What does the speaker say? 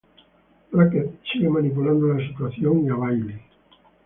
Brackett sigue manipulando la situación y a Bailey.